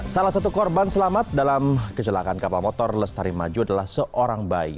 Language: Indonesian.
salah satu korban selamat dalam kecelakaan kapal motor lestari maju adalah seorang bayi